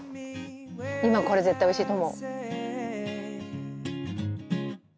今これ絶対おいしいと思う。